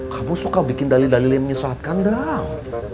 kamu suka bikin dalil dalil yang menyesatkan dang